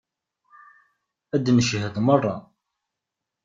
Ad d-ncehhed merra.